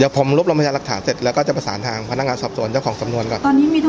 เดี๋ยวผมรูปลงพยาบาลรักษณ์เสร็จแล้วก็จะประสานทางพนักงานสอบสวนเจ้าของสำนวนก่อน